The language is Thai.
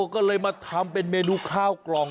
ก็เลยมาทำเป็นเมนูข้าวกล่อง